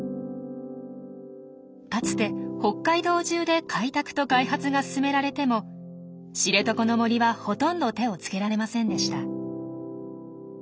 かつて北海道じゅうで開拓と開発が進められても知床の森はほとんど手を付けられませんでした。